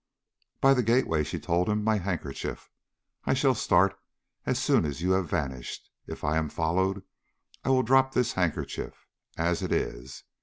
"By the gateway," she told him. "My handkerchief. I shall start as soon as you have vanished. If I am followed, I will drop this handkerchief, as it is.